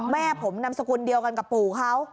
แม่ผมนำสกุลเดียวกันกับปู่เขา